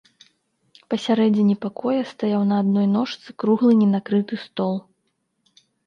Пасярэдзіне пакоя стаяў на адной ножцы круглы ненакрыты стол.